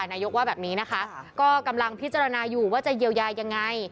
นายกว่าแบบนี้นะคะก็กำลังพิจารณาอยู่ว่าจะเยียวยายังไง